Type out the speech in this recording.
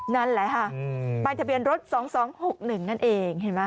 นั่นแหละค่ะใบทะเบียนรถ๒๒๖๑นั่นเองเห็นไหม